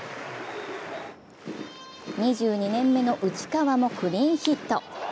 ２２年目の内川もクリーンヒット。